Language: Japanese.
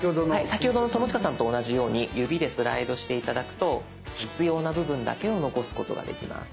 先ほどの友近さんと同じように指でスライドして頂くと必要な部分だけを残すことができます。